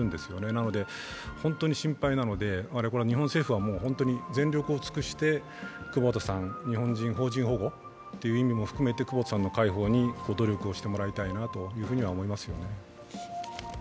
なので本当に心配なので、日本政府は全力を尽くして久保田さん、日本人、邦人保護を含めて、久保田さんの解放に努力をしてもらいたいなとは思いますね。